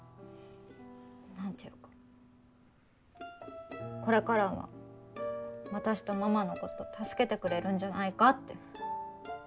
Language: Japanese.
何て言うかこれからは私とママのこと助けてくれるんじゃないかって。